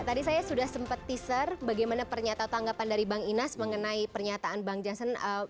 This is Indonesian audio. tadi saya sudah sempat teaser bagaimana pernyataan tanggapan dari bang inas mengenai pernyataan bang jason